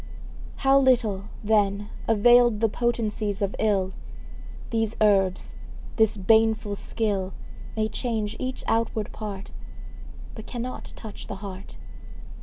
How little, then, availed The potencies of ill! These herbs, this baneful skill, May change each outward part, But cannot touch the heart.